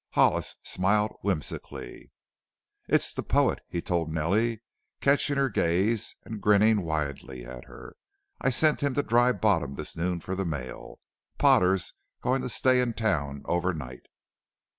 Hollis smiled whimsically. "It's the poet," he told Nellie, catching her gaze and grinning widely at her. "I sent him to Dry Bottom this noon for the mail Potter is going to stay in town over night."